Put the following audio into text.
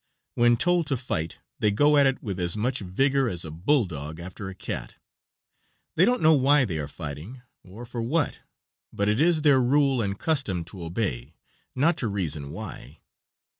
When told to fight, they go at it with as much vigor as a bull dog after a cat; they don't know why they are fighting, or for what, but it is their rule and custom to obey, not to reason why.